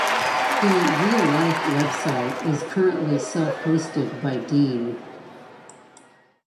The "Real Life" website is currently self-hosted by Dean.